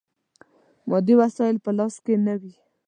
مادي وسایل په لاس کې نه وي.